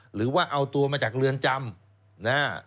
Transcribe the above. หรือว่าเอาตัวมาจากเรือนจำนะฮะ